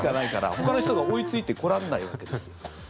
ほかの人が追いついてこられないわけです。